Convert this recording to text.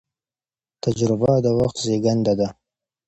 تجربه د وخت زېږنده ده.